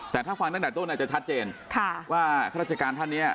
แต่ถ้าฟังตั้งแต่ต้นอาจจะชัดเจนว่าข้าราชการท่านเนี่ย